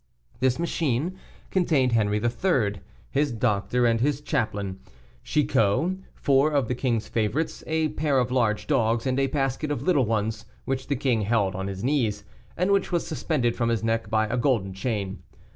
This machine contained Henri III., his doctor, and his chaplain, Chicot, four of the king's favorites, a pair of large dogs, and a basket of little ones, which the king held on his knees, and which was suspended from his neck by a golden chain.